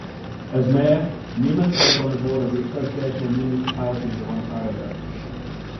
As mayor, Neumann served on the board of the Association of Municipalities of Ontario.